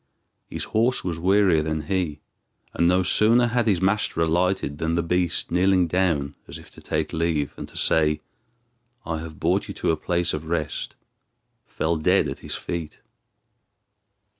His horse was wearier than he, and no sooner had his master alighted than the beast, kneeling down as if to take leave, and to say, "I have brought you to a place of rest," fell dead at his feet.